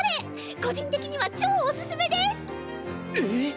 個人的には超おすすめです！